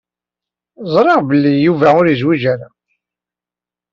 Ẓriɣ belli Yuba ur yezwiǧ ara.